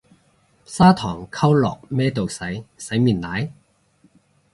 砂糖溝落咩度洗，洗面奶？